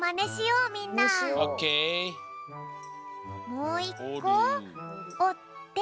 もう１こおって。